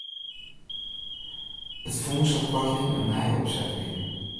It fûns hat koartlyn in nije opset krigen.